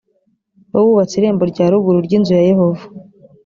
we wubatse irembo rya ruguru ry inzu ya yehova